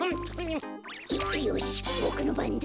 よよしボクのばんだ。